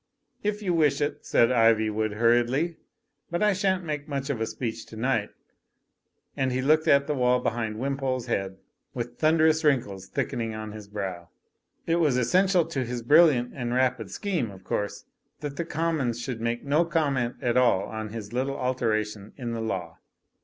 '' "If you wish it," said Iv)rwood hurriedly, "but I shan't make much of a speech to night." And he looked at the wall behind Wimpole's head with thun derous wrinkles thickening on his brow. It was es sential to his brilliant and rapid scheme, of course, that the Commons should make no comment at all on his little alteration in the law.